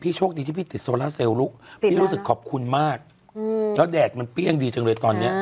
โชคดีที่พี่ติดโซล่าเซลลุกพี่รู้สึกขอบคุณมากแล้วแดดมันเปรี้ยงดีจังเลยตอนนี้